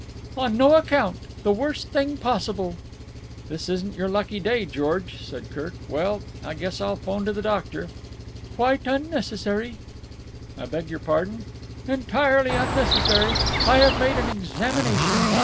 "On no account. The worst thing possible." "This isn't your lucky day, George," said Kirk. "Well, I guess I'll phone to the doctor." "Quite unnecessary." "I beg your pardon?" "Entirely unnecessary. I have made an examination.